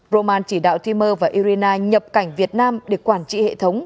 roman chỉ đạo timur và irina nhập cảnh việt nam để quản trị hệ thống